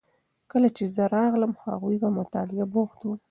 کله چې زه راغلم هغوی په مطالعه بوخت وو.